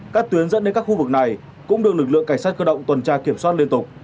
các tuyến dẫn đến các khu vực này cũng được lực lượng cảnh sát cơ động tuần tra kiểm soát liên tục